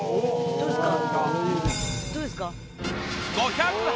どうですか？